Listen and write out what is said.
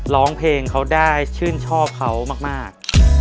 ร้องเพลงเขาได้ชื่นชอบเขามาก